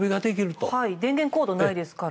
はい電源コードないですから。